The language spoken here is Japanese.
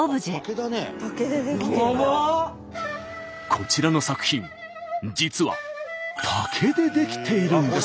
こちらの作品実は竹で出来ているんです。